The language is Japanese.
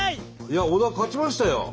いや小田勝ちましたよ。